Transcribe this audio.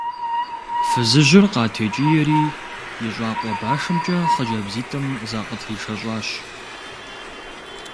Фызыжьыр къатекӀиери и щӀакъуэ башымкӀэ хъыджэбзитӀым закъытришэщӀащ.